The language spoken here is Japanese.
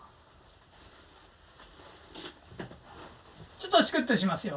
ちょっとチクッとしますよ。